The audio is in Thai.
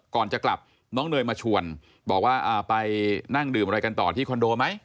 ก่อนจะกลับน้องเนยมาชวนบอกว่าไปนั่งดื่มอะไรกันต่อที่คอนโดไหม